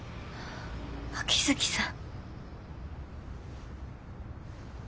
秋月さん。